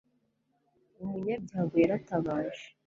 umunyabyago yaratabaje